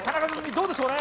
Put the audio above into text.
どうでしょうね